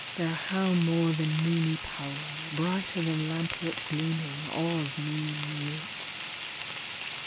Their how more than moony power. Brighter than lamp lit gleaming awes me mute.